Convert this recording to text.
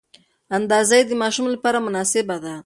اندازه یې د ماشوم لپاره مناسبه ده.